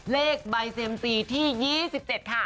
เลขใบเซ็มซีที่๒๗ค่ะ